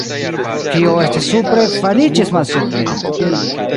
Kio estis supre, fariĝis malsupre!